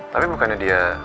tapi bukannya dia